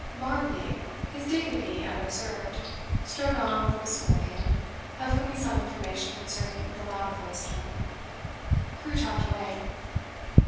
Barmby, his dignity unobserved, strode on with Miss. Morgan, of whom he sought information concerning the loud voiced man. Crewe talked away.